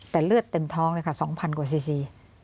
แต่เลือดเต็มท้องเลยค่ะสองพันกว่าซีซี